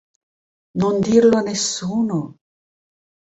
Non dirlo a nessuno